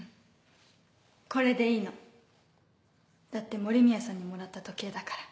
これでいいの。だって森宮さんにもらった時計だから。